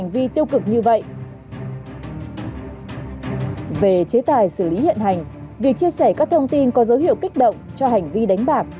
về chế tài xử lý hiện hành việc chia sẻ các thông tin có dấu hiệu kích động cho hành vi đánh bạc